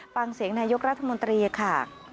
ฟังเสียงนายกรัฐมนตรีค่ะ